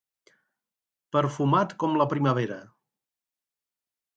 Perfumat com la primavera.